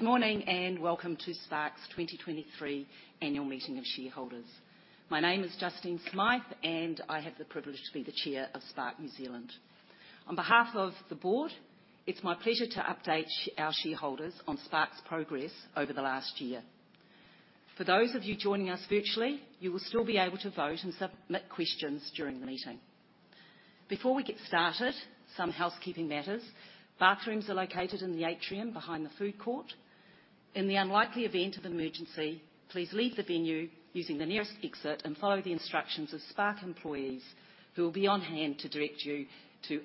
Good morning, and welcome to Spark's 2023 Annual Meeting of Shareholders. My name is Justine Smyth, and I have the privilege to be the Chair of Spark New Zealand. On behalf of the board, it's my pleasure to update our shareholders on Spark's progress over the last year. For those of you joining us virtually, you will still be able to vote and submit questions during the meeting. Before we get started, some housekeeping matters. Bathrooms are located in the atrium behind the food court. In the unlikely event of emergency, please leave the venue using the nearest exit and follow the instructions of Spark employees, who will be on hand to direct you to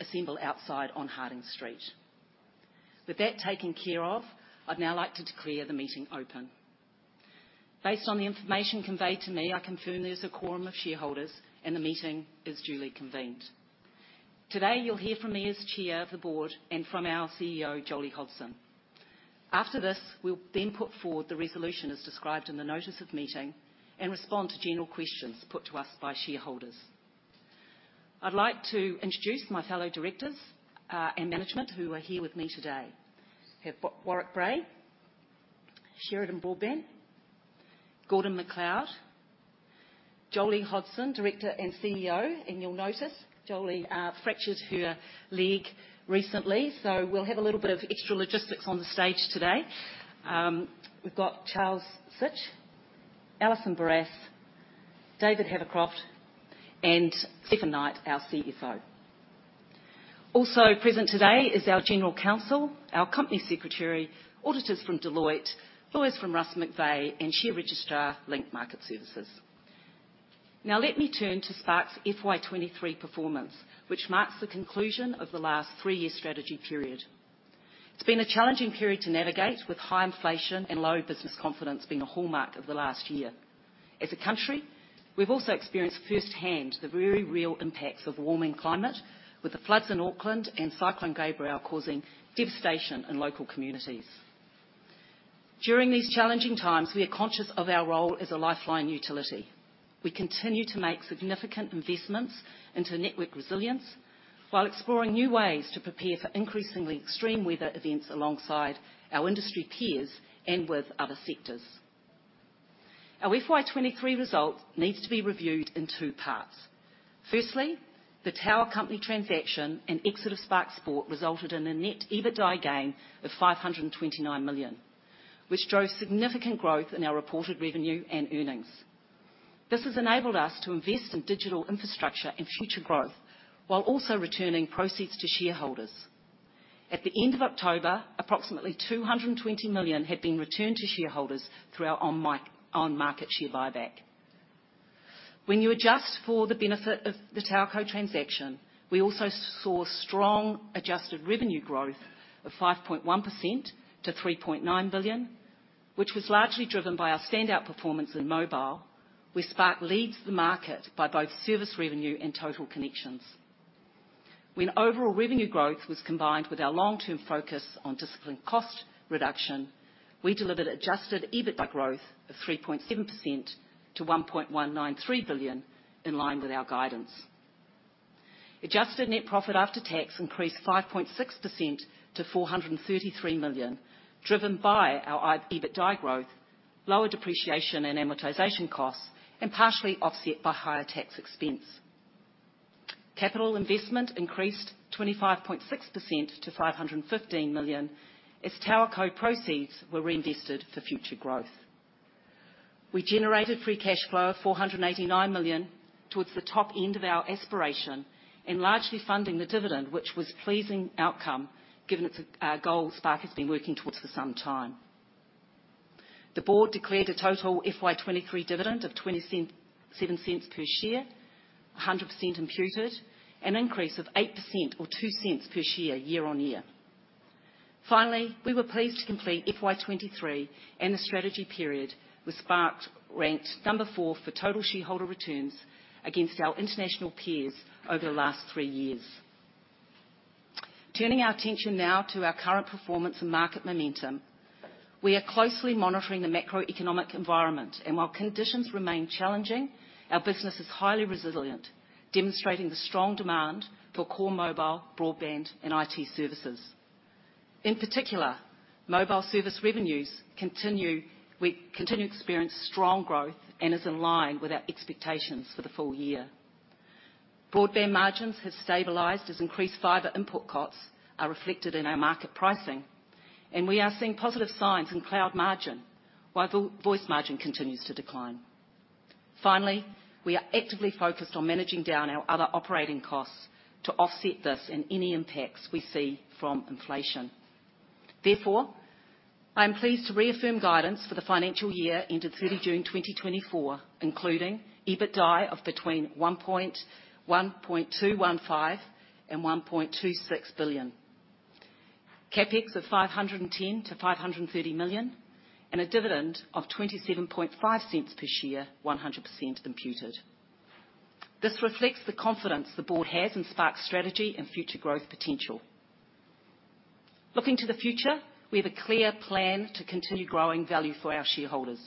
assemble outside on Hardinge Street. With that taken care of, I'd now like to declare the meeting open. Based on the information conveyed to me, I confirm there's a quorum of shareholders, and the meeting is duly convened. Today, you'll hear from me as chair of the board and from our CEO, Jolie Hodson. After this, we'll then put forward the resolution as described in the notice of meeting and respond to general questions put to us by shareholders. I'd like to introduce my fellow directors, and management, who are here with me today. We have Warwick Bray, Sheridan Broadbent, Gordon MacLeod, Jolie Hodson, director and CEO, and you'll notice Jolie, fractured her leg recently, so we'll have a little bit of extra logistics on the stage today. We've got Charles Sitch, Alison Barrass, David Havercroft, and Stefan Knight, our CFO. Also present today is our general counsel, our company secretary, auditors from Deloitte, lawyers from Russell McVeagh, and share registrar, Link Market Services. Now, let me turn to Spark's FY 23 performance, which marks the conclusion of the last 3-year strategy period. It's been a challenging period to navigate, with high inflation and low business confidence being a hallmark of the last year. As a country, we've also experienced firsthand the very real impacts of warming climate, with the floods in Auckland and Cyclone Gabrielle causing devastation in local communities. During these challenging times, we are conscious of our role as a lifeline utility. We continue to make significant investments into network resilience while exploring new ways to prepare for increasingly extreme weather events alongside our industry peers and with other sectors. Our FY 23 results needs to be reviewed in 2 parts. Firstly, the TowerCo transaction and exit of Spark Sport resulted in a net EBITDA gain of 529 million, which drove significant growth in our reported revenue and earnings. This has enabled us to invest in digital infrastructure and future growth, while also returning proceeds to shareholders. At the end of October, approximately 220 million had been returned to shareholders through our on-market share buyback. When you adjust for the benefit of the TowerCo transaction, we also saw strong adjusted revenue growth of 5.1% to 3.9 billion, which was largely driven by our standout performance in mobile, where Spark leads the market by both service revenue and total connections. When overall revenue growth was combined with our long-term focus on disciplined cost reduction, we delivered adjusted EBITDA growth of 3.7% to 1.193 billion, in line with our guidance. Adjusted net profit after tax increased 5.6% to 433 million, driven by our EBITDA growth, lower depreciation and amortization costs, and partially offset by higher tax expense. Capital investment increased 25.6% to 515 million, as TowerCo proceeds were reinvested for future growth. We generated free cash flow of 489 million towards the top end of our aspiration and largely funding the dividend, which was pleasing outcome, given it's a, goal Spark has been working towards for some time. The board declared a total FY 2023 dividend of 0.27 per share, 100% imputed, an increase of 8% or 0.02 per share year-on-year. Finally, we were pleased to complete FY 2023, and the strategy period was Spark 2025, ranked number 4 for total shareholder returns against our international peers over the last 3 years. Turning our attention now to our current performance and market momentum. We are closely monitoring the macroeconomic environment, and while conditions remain challenging, our business is highly resilient, demonstrating the strong demand for core mobile, broadband, and IT services. In particular, mobile service revenues we continue to experience strong growth and is in line with our expectations for the full year. Broadband margins have stabilized as increased fiber input costs are reflected in our market pricing, and we are seeing positive signs in cloud margin, while voice margin continues to decline. Finally, we are actively focused on managing down our other operating costs to offset this and any impacts we see from inflation. Therefore, I am pleased to reaffirm guidance for the financial year ending 30 June 2024, including EBITDA of between 1.215 billion and 1.26 billion, CapEx of 510 million-530 million, and a dividend of 0.275 per share, 100% imputed. This reflects the confidence the board has in Spark's strategy and future growth potential. Looking to the future, we have a clear plan to continue growing value for our shareholders.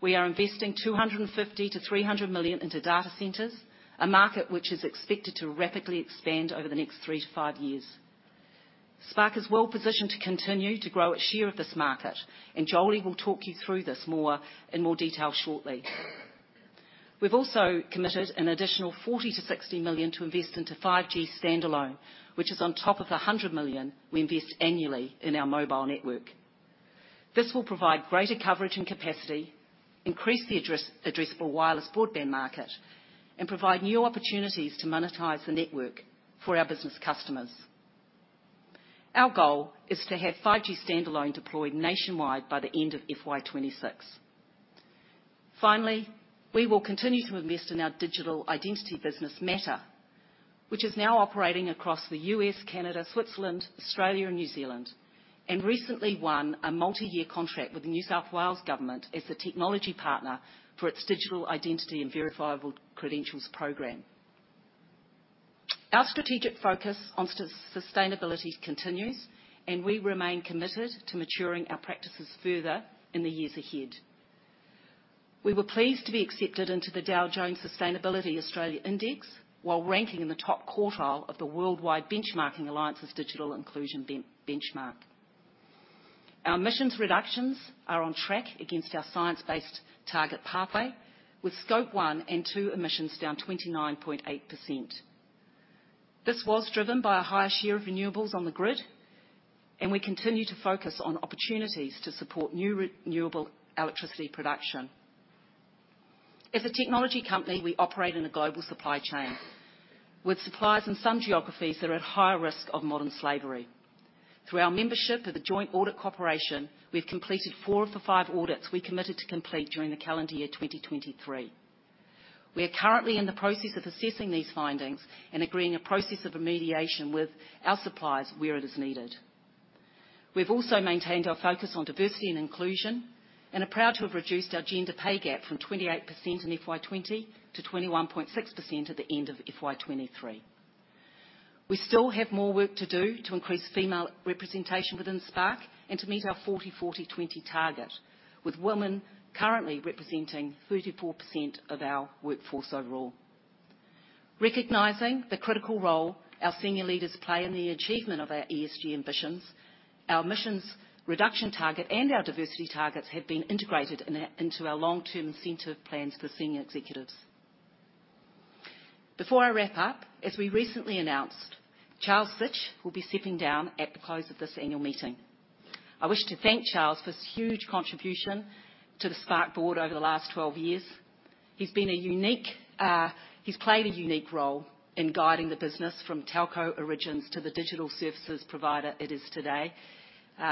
We are investing 250-300 million into data centers, a market which is expected to rapidly expand over the next three to five years. Spark is well-positioned to continue to grow its share of this market, and Jolie will talk you through this more, in more detail shortly. We've also committed an additional 40-60 million to invest into 5G standalone, which is on top of the 100 million we invest annually in our mobile network. This will provide greater coverage and capacity, increase the addressable wireless broadband market, and provide new opportunities to monetize the network for our business customers. Our goal is to have 5G standalone deployed nationwide by the end of FY 2026. Finally, we will continue to invest in our digital identity business MATTR, which is now operating across the U.S., Canada, Switzerland, Australia, and New Zealand, and recently won a multi-year contract with the New South Wales Government as the technology partner for its digital identity and verifiable credentials program. Our strategic focus on sustainability continues, and we remain committed to maturing our practices further in the years ahead. We were pleased to be accepted into the Dow Jones Sustainability Australia Index, while ranking in the top quartile of the World Benchmarking Alliance's digital inclusion benchmark. Our emissions reductions are on track against our science-based target pathway, with Scope 1 and 2 emissions down 29.8%. This was driven by a higher share of renewables on the grid, and we continue to focus on opportunities to support new renewable electricity production. As a technology company, we operate in a global supply chain, with suppliers in some geographies that are at higher risk of modern slavery. Through our membership of the Joint Audit Cooperation, we've completed 4 of the 5 audits we committed to complete during the calendar year 2023. We are currently in the process of assessing these findings and agreeing a process of remediation with our suppliers where it is needed. We've also maintained our focus on diversity and inclusion, and are proud to have reduced our gender pay gap from 28% in FY 2020 to 21.6% at the end of FY 2023. We still have more work to do to increase female representation within Spark and to meet our 40/40/20 target, with women currently representing 34% of our workforce overall. Recognizing the critical role our senior leaders play in the achievement of our ESG ambitions, our emissions reduction target and our diversity targets have been integrated into our long-term incentive plans for senior executives. Before I wrap up, as we recently announced, Charles Sitch will be stepping down at the close of this annual meeting. I wish to thank Charles for his huge contribution to the Spark board over the last 12 years. He's been a unique. He's played a unique role in guiding the business from telco origins to the digital services provider it is today.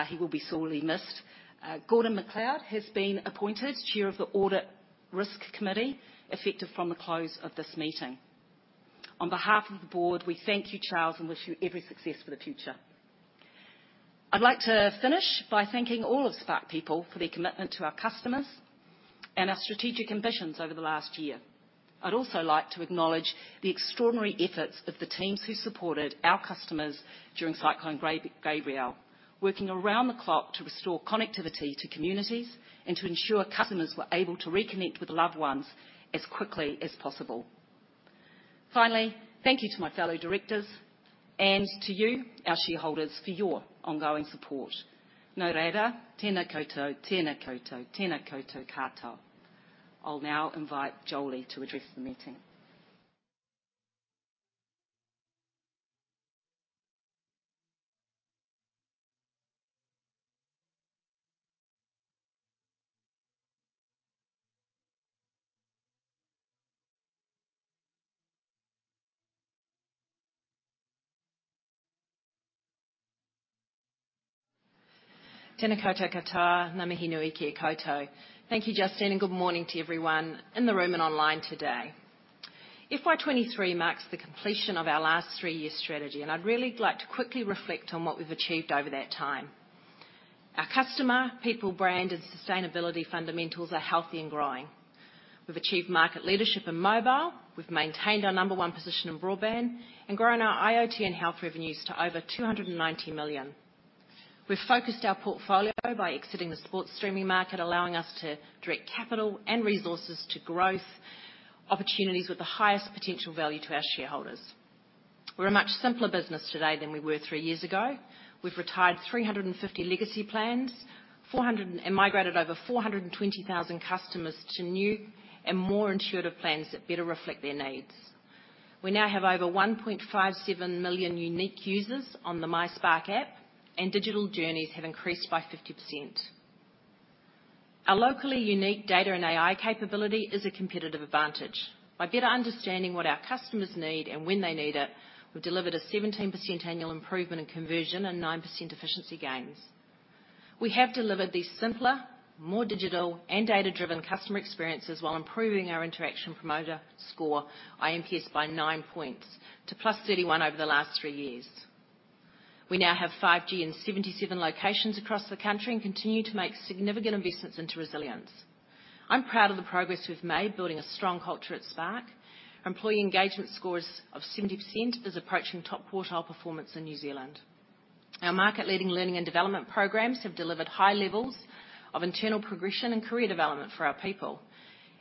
He will be sorely missed. Gordon MacLeod has been appointed Chair of the Audit Risk Committee, effective from the close of this meeting. On behalf of the board, we thank you, Charles, and wish you every success for the future. I'd like to finish by thanking all of Spark people for their commitment to our customers and our strategic ambitions over the last year. I'd also like to acknowledge the extraordinary efforts of the teams who supported our customers during Cyclone Gabrielle, working around the clock to restore connectivity to communities and to ensure customers were able to reconnect with loved ones as quickly as possible. Finally, thank you to my fellow directors and to you, our shareholders, for your ongoing support. Nō reira, tēnā koutou, tēnā koutou, tēnā koutou katoa. I'll now invite Jolie to address the meeting. Tēnā koutou katoa, ngā mihi nui ki a koutou. Thank you, Justine, and good morning to everyone in the room and online today. FY 2023 marks the completion of our last three-year strategy, and I'd really like to quickly reflect on what we've achieved over that time. Our customer, people brand, and sustainability fundamentals are healthy and growing. We've achieved market leadership in mobile, we've maintained our number one position in broadband, and grown our IoT and health revenues to over 290 million. We've focused our portfolio by exiting the sports streaming market, allowing us to direct capital and resources to growth opportunities with the highest potential value to our shareholders. We're a much simpler business today than we were three years ago. We've retired 350 legacy plans and migrated over 420,000 customers to new and more intuitive plans that better reflect their needs. We now have over 1.57 million unique users on the My Spark app, and digital journeys have increased by 50%. Our locally unique data and AI capability is a competitive advantage. By better understanding what our customers need and when they need it, we've delivered a 17% annual improvement in conversion and 9% efficiency gains. We have delivered these simpler, more digital, and data-driven customer experiences while improving our Interaction Promoter Score, INPS, by 9 points to +31 over the last 3 years. We now have 5G in 77 locations across the country and continue to make significant investments into resilience. I'm proud of the progress we've made building a strong culture at Spark. Employee engagement scores of 70% is approaching top quartile performance in New Zealand. Our market-leading learning and development programs have delivered high levels of internal progression and career development for our people.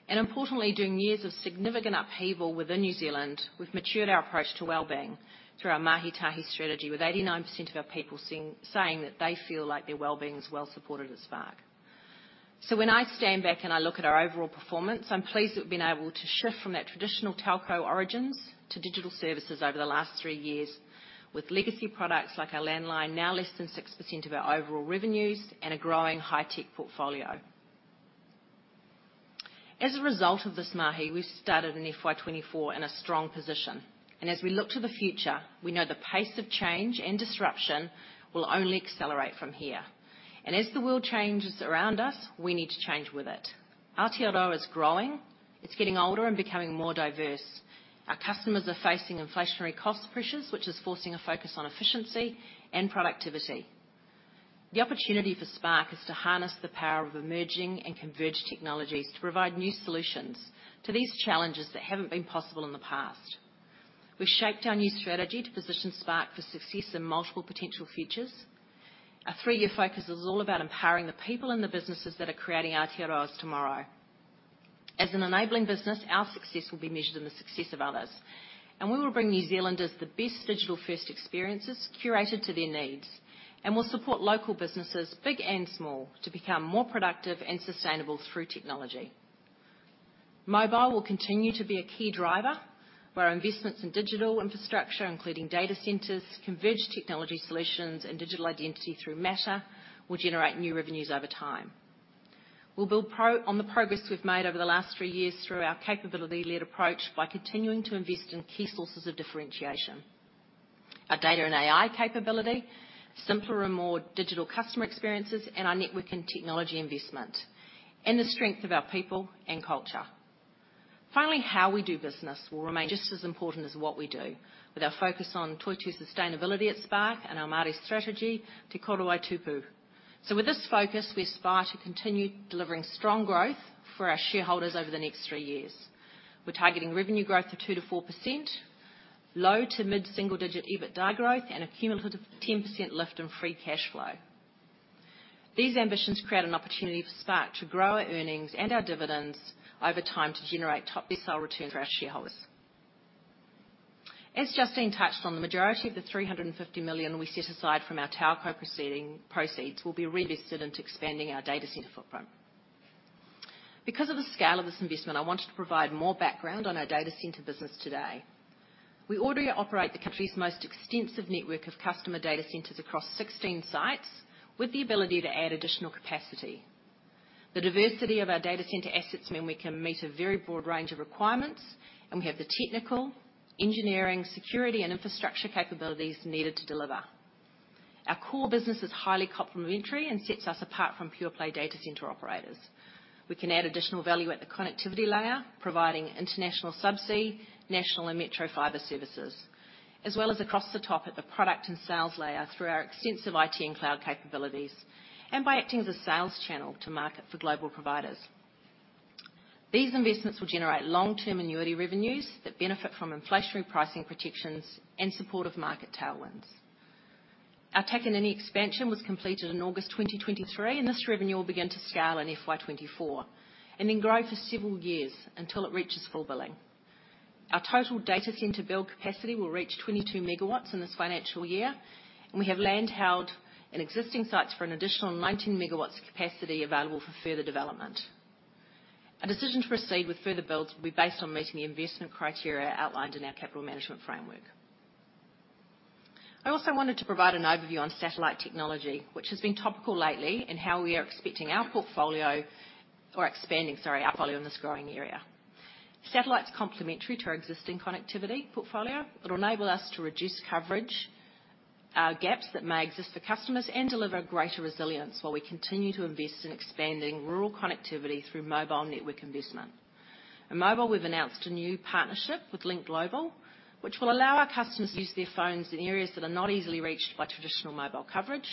And importantly, during years of significant upheaval within New Zealand, we've matured our approach to well-being through our mahi Tahi strategy, with 89% of our people saying that they feel like their well-being is well supported at Spark. So when I stand back and I look at our overall performance, I'm pleased that we've been able to shift from that traditional telco origins to digital services over the last 3 years, with legacy products like our landline, now less than 6% of our overall revenues and a growing high-tech portfolio. As a result of this, mahi, we've started in FY 2024 in a strong position, and as we look to the future, we know the pace of change and disruption will only accelerate from here. And as the world changes around us, we need to change with it. Aotearoa is growing, it's getting older and becoming more diverse. Our customers are facing inflationary cost pressures, which is forcing a focus on efficiency and productivity. The opportunity for Spark is to harness the power of emerging and converged technologies to provide new solutions to these challenges that haven't been possible in the past. We've shaped our new strategy to position Spark for success in multiple potential futures. Our three-year focus is all about empowering the people and the businesses that are creating Aotearoa tomorrow. As an enabling business, our success will be measured in the success of others, and we will bring New Zealanders the best digital-first experiences curated to their needs, and we'll support local businesses, big and small, to become more productive and sustainable through technology. Mobile will continue to be a key driver, where our investments in digital infrastructure, including data centers, converged technology solutions, and digital identity through MATTR, will generate new revenues over time. We'll build on the progress we've made over the last three years through our capability-led approach by continuing to invest in key sources of differentiation. Our data and AI capability, simpler and more digital customer experiences, and our network and technology investment, and the strength of our people and culture. Finally, how we do business will remain just as important as what we do, with our focus on Toitū sustainability at Spark and our Māori strategy, Te Korowai Tupu. With this focus, we aspire to continue delivering strong growth for our shareholders over the next three years. We're targeting revenue growth of 2%-4%, low to mid-single digit EBITDA growth, and a cumulative 10% lift in free cash flow. These ambitions create an opportunity for Spark to grow our earnings and our dividends over time to generate top resale return for our shareholders. As Justine touched on, the majority of the 350 million we set aside from our telco proceeds will be reinvested into expanding our data center footprint. Because of the scale of this investment, I wanted to provide more background on our data center business today. We already operate the country's most extensive network of customer data centers across 16 sites, with the ability to add additional capacity. The diversity of our data center assets mean we can meet a very broad range of requirements, and we have the technical, engineering, security, and infrastructure capabilities needed to deliver. Our core business is highly complementary and sets us apart from pure-play data center operators. We can add additional value at the connectivity layer, providing international subsea, national and metro fiber services, as well as across the top at the product and sales layer through our extensive IT and cloud capabilities, and by acting as a sales channel to market for global providers. These investments will generate long-term annuity revenues that benefit from inflationary pricing protections and supportive market tailwinds. Our Takanini expansion was completed in August 2023, and this revenue will begin to scale in FY 2024 and then grow for several years until it reaches full billing. Our total data center build capacity will reach 22 MW in this financial year, and we have land held in existing sites for an additional 19 MW of capacity available for further development. Our decision to proceed with further builds will be based on meeting the investment criteria outlined in our capital management framework. I also wanted to provide an overview on satellite technology, which has been topical lately in how we are expecting our portfolio or expanding, sorry, our portfolio in this growing area. Satellite's complementary to our existing connectivity portfolio. It'll enable us to reduce coverage gaps that may exist for customers and deliver greater resilience while we continue to invest in expanding rural connectivity through mobile network investment. In mobile, we've announced a new partnership with Lynk Global, which will allow our customers to use their phones in areas that are not easily reached by traditional mobile coverage.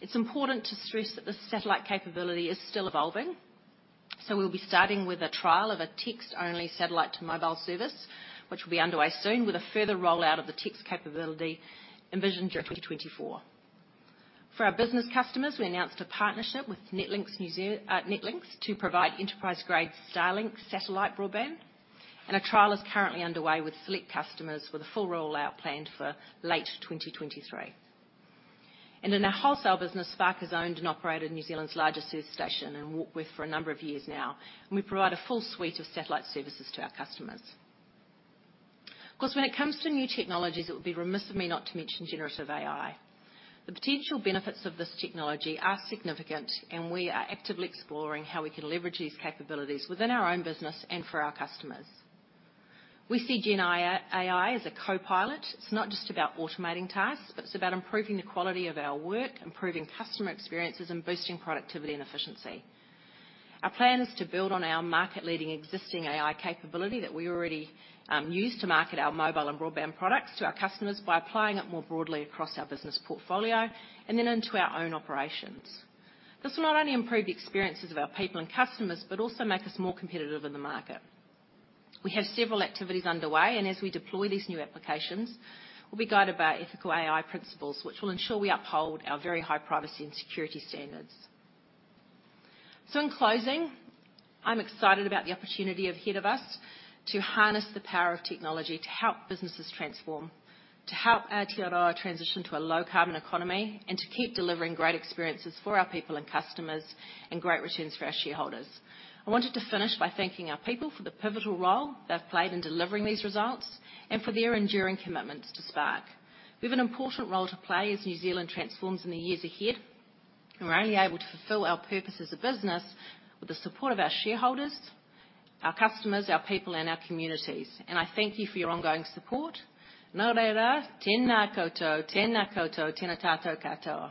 It's important to stress that the satellite capability is still evolving, so we'll be starting with a trial of a text-only satellite-to-mobile service, which will be underway soon, with a further rollout of the text capability envisioned through 2024. For our business customers, we announced a partnership with Netlinkz to provide enterprise-grade Starlink satellite broadband, and a trial is currently underway with select customers, with a full rollout planned for late 2023. In our wholesale business, Spark has owned and operated New Zealand's largest earth station and worked with for a number of years now, and we provide a full suite of satellite services to our customers. Of course, when it comes to new technologies, it would be remiss of me not to mention generative AI. The potential benefits of this technology are significant, and we are actively exploring how we can leverage these capabilities within our own business and for our customers. We see generative AI as a copilot. It's not just about automating tasks, but it's about improving the quality of our work, improving customer experiences, and boosting productivity and efficiency. Our plan is to build on our market-leading existing AI capability that we already use to market our mobile and broadband products to our customers by applying it more broadly across our business portfolio and then into our own operations. This will not only improve the experiences of our people and customers, but also make us more competitive in the market. We have several activities underway, and as we deploy these new applications, we'll be guided by ethical AI principles, which will ensure we uphold our very high privacy and security standards. In closing, I'm excited about the opportunity ahead of us to harness the power of technology to help businesses transform, to help our Aotearoa transition to a low-carbon economy, and to keep delivering great experiences for our people and customers and great returns for our shareholders. I wanted to finish by thanking our people for the pivotal role they've played in delivering these results and for their enduring commitments to Spark. We have an important role to play as New Zealand transforms in the years ahead, and we're only able to fulfill our purpose as a business with the support of our shareholders, our customers, our people, and our communities, and I thank you for your ongoing support. Nō reira, tēnā koutou, tēnā koutou, tēnā tātou katoa.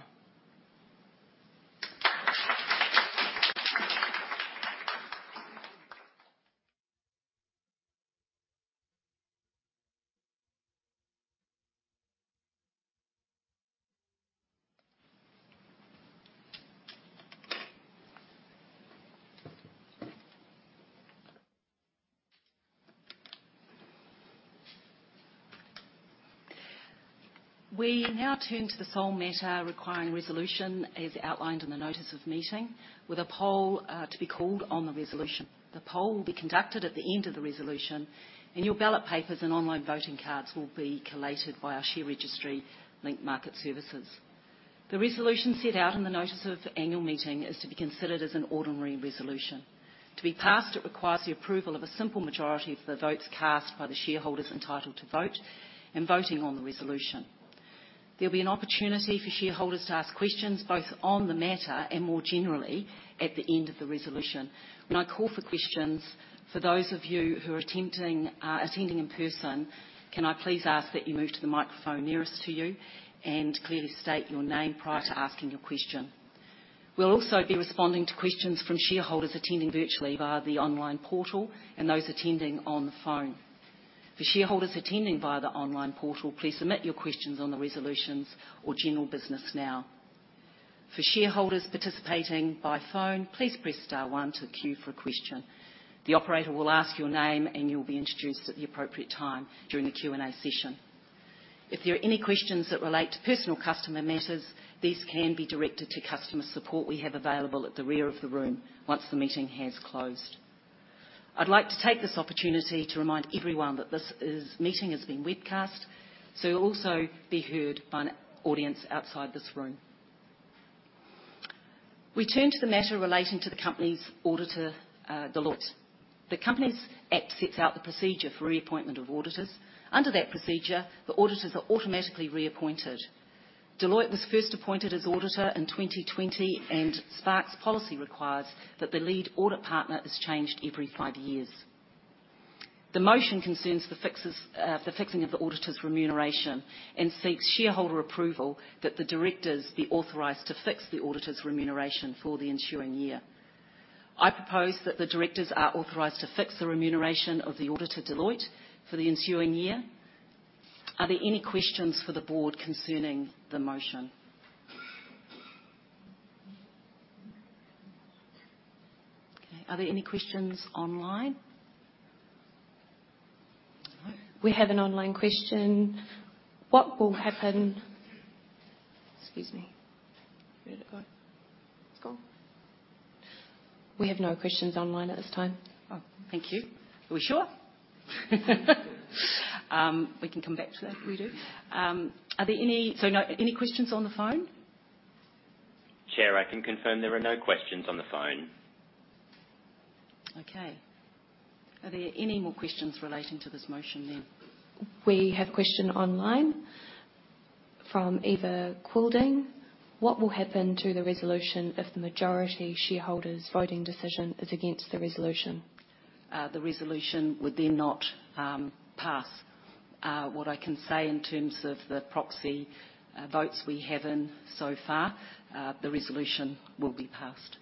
We now turn to the sole MATTR requiring a resolution, as outlined in the notice of meeting, with a poll to be called on the resolution. The poll will be conducted at the end of the resolution, and your ballot papers and online voting cards will be collated by our share registry Link Market Services. The resolution set out in the notice of the annual meeting is to be considered as an ordinary resolution. To be passed, it requires the approval of a simple majority of the votes cast by the shareholders entitled to vote and voting on the resolution. There'll be an opportunity for shareholders to ask questions, both on the MATTR and more generally, at the end of the resolution. When I call for questions, for those of you who are attending in person, can I please ask that you move to the microphone nearest to you and clearly state your name prior to asking your question? We'll also be responding to questions from shareholders attending virtually via the online portal and those attending on the phone. For shareholders attending via the online portal, please submit your questions on the resolutions or general business now. For shareholders participating by phone, please press star one to queue for a question. The operator will ask your name, and you'll be introduced at the appropriate time during the Q&A session. If there are any questions that relate to personal customer matters, these can be directed to customer support we have available at the rear of the room once the meeting has closed. I'd like to take this opportunity to remind everyone that this meeting is being webcast, so you'll also be heard by an audience outside this room. We turn to the MATTR relating to the company's auditor, Deloitte. The Companies Act sets out the procedure for reappointment of auditors. Under that procedure, the auditors are automatically reappointed. Deloitte was first appointed as auditor in 2020, and Spark's policy requires that the lead audit partner is changed every five years. The motion concerns the fixes, the fixing of the auditor's remuneration and seeks shareholder approval that the directors be authorized to fix the auditor's remuneration for the ensuing year. I propose that the directors are authorized to fix the remuneration of the auditor, Deloitte, for the ensuing year. Are there any questions for the board concerning the motion? Okay, are there any questions online? We have an online question: What will happen... Excuse me. Where did it go? It's gone. We have no questions online at this time. Oh, thank you. Are we sure? We can come back to that if we do. Are there any... So no, any questions on the phone? Chair, I can confirm there are no questions on the phone. Okay. Are there any more questions relating to this motion then? We have a question online from Eva Quilting: What will happen to the resolution if the majority shareholders' voting decision is against the resolution? The resolution would then not pass. What I can say in terms of the proxy votes we have so far, the resolution will be passed.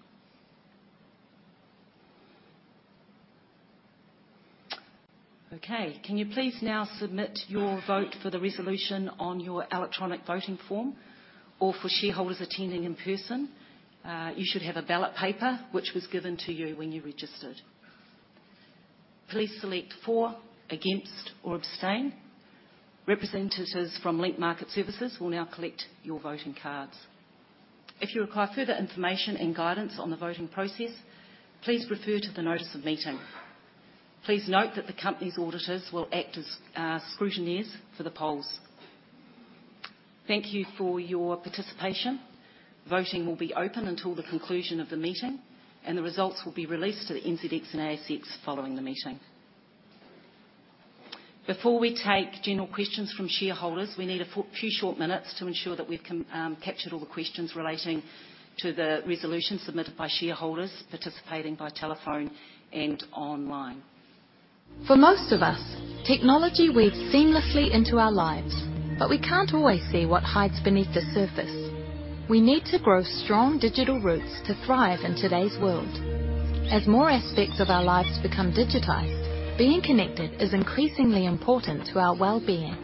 Okay, can you please now submit your vote for the resolution on your electronic voting form? Or for shareholders attending in person, you should have a ballot paper which was given to you when you registered. Please select for, against, or abstain. Representatives from Link Market Services will now collect your voting cards. If you require further information and guidance on the voting process, please refer to the notice of meeting. Please note that the company's auditors will act as scrutineers for the polls. Thank you for your participation. Voting will be open until the conclusion of the meeting, and the results will be released to the NZX and ASX following the meeting. Before we take general questions from shareholders, we need a few short minutes to ensure that we've captured all the questions relating to the resolution submitted by shareholders participating by telephone and online. For most of us, technology weaves seamlessly into our lives, but we can't always see what hides beneath the surface. We need to grow strong digital roots to thrive in today's world. As more aspects of our lives become digitized, being connected is increasingly important to our well-being....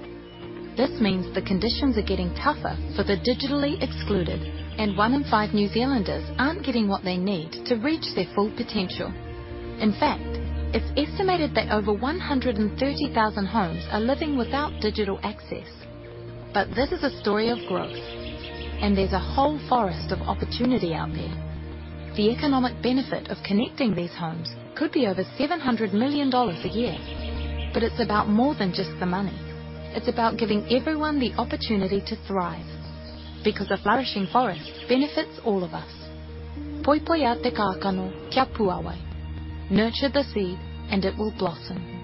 This means the conditions are getting tougher for the digitally excluded, and one in five New Zealanders aren't getting what they need to reach their full potential. In fact, it's estimated that over 130,000 homes are living without digital access. But this is a story of growth, and there's a whole forest of opportunity out there. The economic benefit of connecting these homes could be over 700 million dollars a year. But it's about more than just the money. It's about giving everyone the opportunity to thrive, because a flourishing forest benefits all of us. Poipoia te kākano, kia puawai. Nurture the seed, and it will blossom.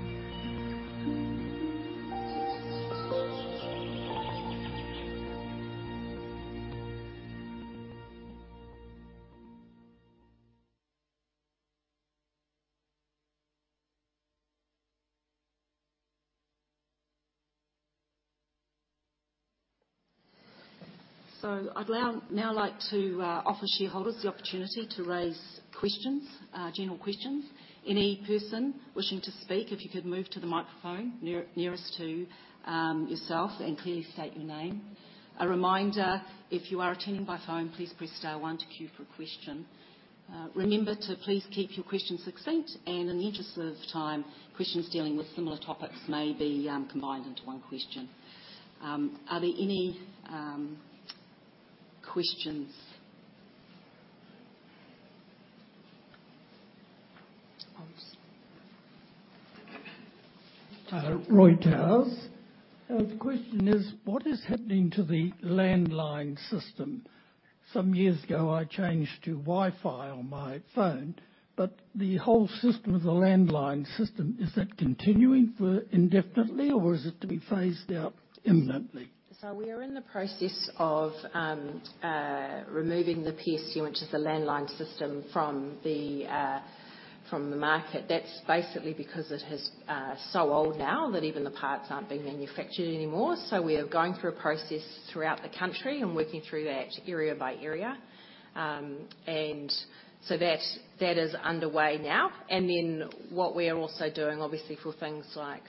So I'd now like to offer shareholders the opportunity to raise questions, general questions. Any person wishing to speak, if you could move to the microphone nearest to yourself and clearly state your name. A reminder, if you are attending by phone, please press star one to queue for a question. Remember to please keep your questions succinct, and in the interest of time, questions dealing with similar topics may be combined into one question. Are there any questions? Oops. Roy Towers. The question is, what is happening to the landline system? Some years ago, I changed to Wi-Fi on my phone, but the whole system of the landline system, is that continuing for indefinitely, or is it to be phased out imminently? So we are in the process of removing the PSTN, which is the landline system, from the market. That's basically because it is so old now that even the parts aren't being manufactured anymore. So we are going through a process throughout the country and working through that area by area. And so that is underway now. And then, what we are also doing, obviously for things like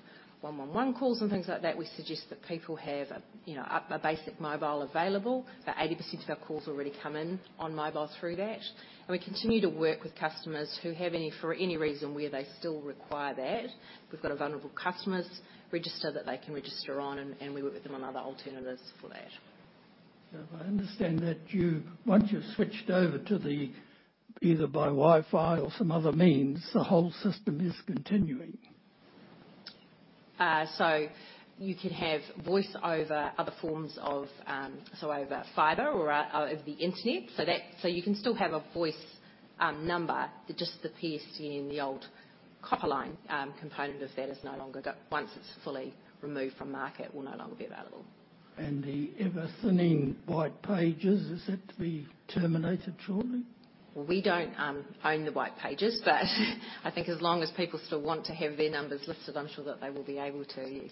111 calls and things like that, we suggest that people have a, you know, a basic mobile available. But 80% of our calls already come in on mobile through that, and we continue to work with customers who have any for any reason, where they still require that. We've got a vulnerable customers register that they can register on, and we work with them on other alternatives for that. So I understand that you once you've switched over to the, either by Wi-Fi or some other means, the whole system is continuing. So you can have voice over other forms of, so over fiber or over the internet. So you can still have a voice number, but just the PSTN, the old copper line component of that is no longer. Once it's fully removed from market, will no longer be available. The ever-thinning white pages, is that to be terminated shortly? We don't own the white pages, but I think as long as people still want to have their numbers listed, I'm sure that they will be able to, yes.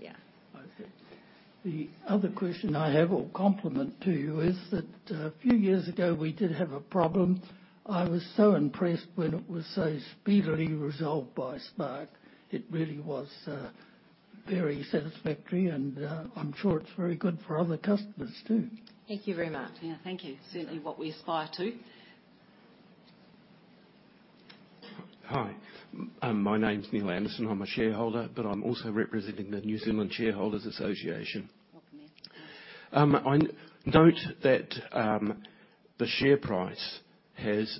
Yeah. Okay. The other question I have or compliment to you is that, a few years ago, we did have a problem. I was so impressed when it was so speedily resolved by Spark. It really was very satisfactory, and I'm sure it's very good for other customers, too. Thank you very much. Yeah, thank you. Certainly what we aspire to. Hi, my name is Neil Anderson. I'm a shareholder, but I'm also representing the New Zealand Shareholders Association. Welcome, Neil. I note that the share price has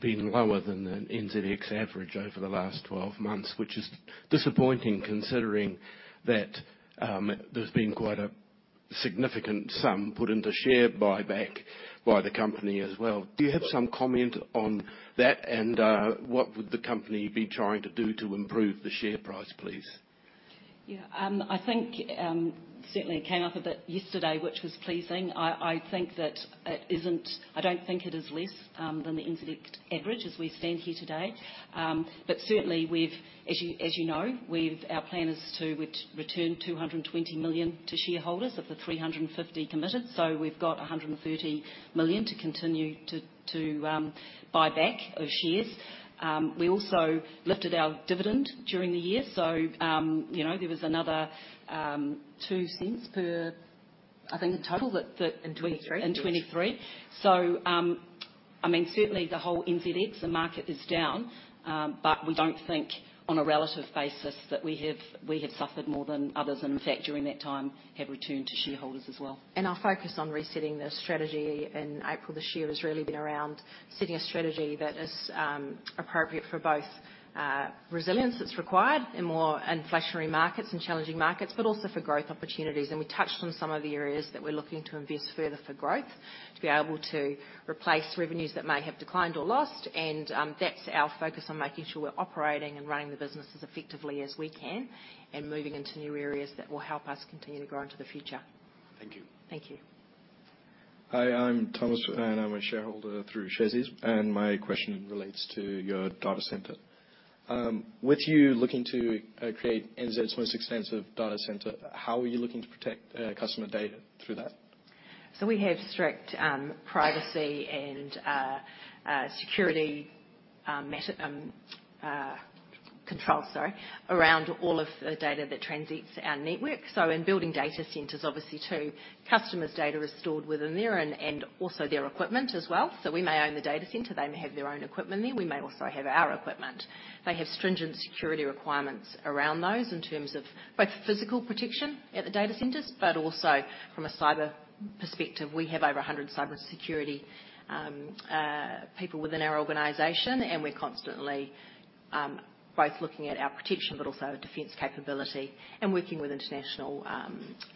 been lower than the NZX average over the last 12 months, which is disappointing, considering that there's been quite a significant sum put into share buyback by the company as well. Do you have some comment on that, and what would the company be trying to do to improve the share price, please? Yeah. I think, certainly it came up a bit yesterday, which was pleasing. I think that it isn't—I don't think it is less than the NZX average as we stand here today. But certainly we've, as you know, we've—Our plan is to return 220 million to shareholders of the 350 million committed. So we've got 130 million to continue to buy back our shares. We also lifted our dividend during the year, so you know, there was another 2 cents per, I think, the total that, that- And twenty-three. 2023. So, I mean, certainly the whole NZX, the market is down. But we don't think on a relative basis, that we have suffered more than others. And in fact, during that time, have returned to shareholders as well. Our focus on resetting the strategy in April this year has really been around setting a strategy that is appropriate for both resilience that's required in more inflationary markets and challenging markets, but also for growth opportunities. We touched on some of the areas that we're looking to invest further for growth, to be able to replace revenues that may have declined or lost, and that's our focus on making sure we're operating and running the business as effectively as we can, and moving into new areas that will help us continue to grow into the future. Thank you. Thank you. Hi, I'm Thomas, and I'm a shareholder through Sharesies, and my question relates to your data center. With you looking to create NZ's most extensive data center, how are you looking to protect customer data through that? So we have strict, privacy and, security, MATTR, controls, sorry, around all of the data that transits our network. So in building data centers, obviously, too, customers' data is stored within there and, and also their equipment as well. So we may own the data center. They may have their own equipment there. We may also have our equipment. They have stringent security requirements around those in terms of both physical protection at the data centers, but also from a cyber perspective. We have over 100 cybersecurity, people within our organization, and we're constantly, both looking at our protection but also our defense capability and working with international,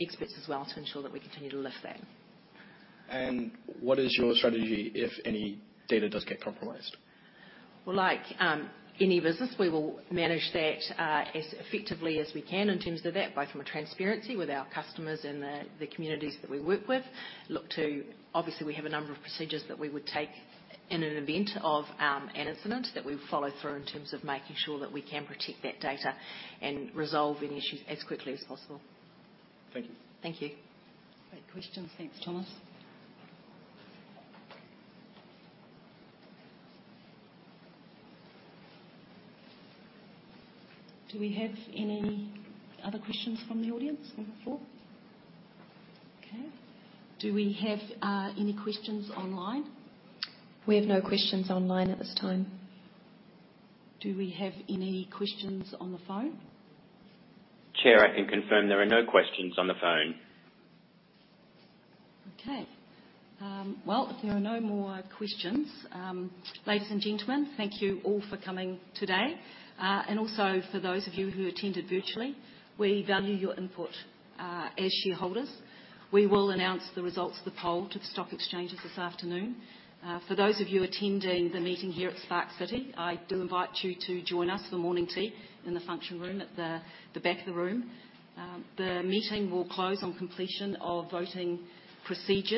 experts as well to ensure that we continue to lift that. What is your strategy if any data does get compromised? Well, like, any business, we will manage that, as effectively as we can in terms of that, both from a transparency with our customers and the communities that we work with. Obviously, we have a number of procedures that we would take in an event of an incident, that we follow through in terms of making sure that we can protect that data and resolve any issues as quickly as possible. Thank you. Thank you. Great question. Thanks, Thomas. Do we have any other questions from the audience on the floor? Okay. Do we have any questions online? We have no questions online at this time. Do we have any questions on the phone? Chair, I can confirm there are no questions on the phone. Okay. Well, if there are no more questions, ladies and gentlemen, thank you all for coming today. Also for those of you who attended virtually, we value your input as shareholders. We will announce the results of the poll to the stock exchanges this afternoon. For those of you attending the meeting here at Spark City, I do invite you to join us for morning tea in the function room at the back of the room. The meeting will close on completion of voting procedures.